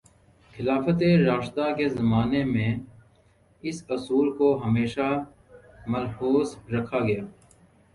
خلافتِ راشدہ کے زمانے میں اس اصول کو ہمیشہ ملحوظ رکھا گیا